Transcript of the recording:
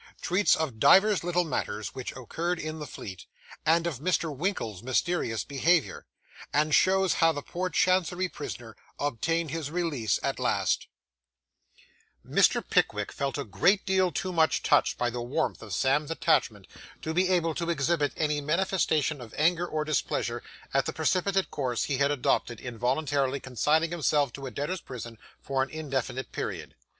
TREATS OF DIVERS LITTLE MATTERS WHICH OCCURRED IN THE FLEET, AND OF MR. WINKLE'S MYSTERIOUS BEHAVIOUR; AND SHOWS HOW THE POOR CHANCERY PRISONER OBTAINED HIS RELEASE AT LAST Mr. Pickwick felt a great deal too much touched by the warmth of Sam's attachment, to be able to exhibit any manifestation of anger or displeasure at the precipitate course he had adopted, in voluntarily consigning himself to a debtor's prison for an indefinite period.